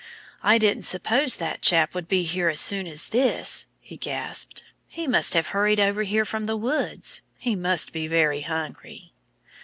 "I didn't suppose that chap would be here as soon as this," he gasped. "He must have hurried over here from the woods. He must be very hungry."